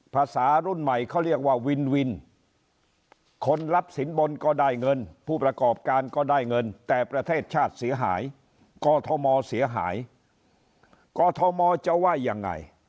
ภาษารุ่นใหม่เขาเรียกว่าวินวินคนรับสินบนก็ได้เงินผู้ประกอบการก็ได้เงินแต่ประเทศชาติเสียหายกอทมเสียหายกอทมจะว่ายังไง